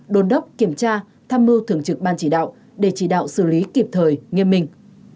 đồn đốc kiểm tra tham mưu thưởng trực ban chỉ đạo để chỉ đạo xử lý kịp thời nghiêm minh